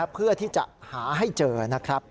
เพื่อที่จะหาให้เจอนะครับ